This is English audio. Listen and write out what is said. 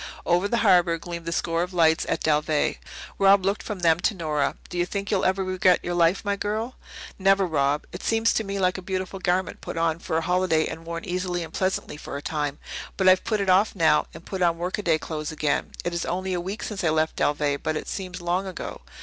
Over the harbour gleamed the score of lights at Dalveigh. Rob looked from them to Nora. "Do you think you'll ever regret yon life, my girl?" "Never, Rob. It seems to me now like a beautiful garment put on for a holiday and worn easily and pleasantly for a time. But I've put it off now, and put on workaday clothes again. It is only a week since I left Dalveigh, but it seems long ago.